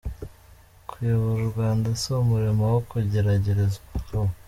Kuyobora u Rwanda si umurimo wo kugeragerezwaho.